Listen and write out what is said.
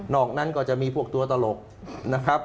อกนั้นก็จะมีพวกตัวตลกนะครับ